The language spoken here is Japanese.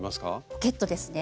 ポケットですね。